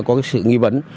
có sự nghi vấn